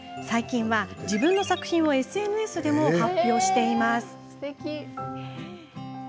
最近は自分の作品をＳＮＳでも発表しています。